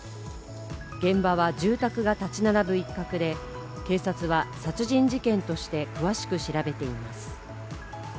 現場は住宅が建ち並ぶ一角で警察は殺人事件として詳しく調べています。